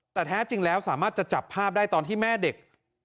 แต่แท้จริงแล้วสามารถจะจับภาพได้ตอนที่แม่เด็ก